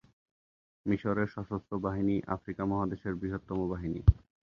মিশরের সশস্ত্র বাহিনী আফ্রিকা মহাদেশের বৃহত্তম বাহিনী।